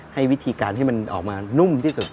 ให้วิธีการที่มันออกมานุ่มที่สุด